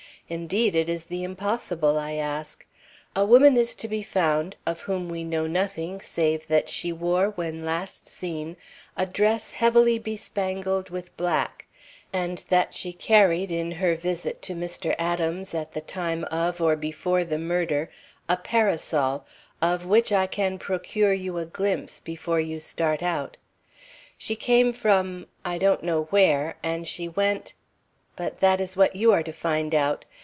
Indeed, it is the impossible I ask. A woman is to be found of whom we know nothing save that she wore when last seen a dress heavily bespangled with black, and that she carried in her visit to Mr. Adams, at the time of or before the murder, a parasol, of which I can procure you a glimpse before you start out. She came from, I don't know where, and she went but that is what you are to find out.